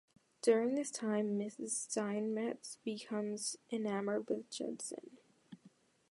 During this time, Mrs. Steinmetz becomes enamored with Judson.